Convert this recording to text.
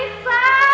mas tapi rumah alasya